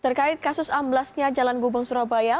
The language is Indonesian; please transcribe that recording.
terkait kasus amblasnya jalan gubeng surabaya